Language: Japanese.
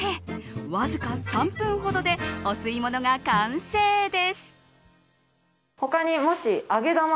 わずか３分ほどでお吸い物が完成です。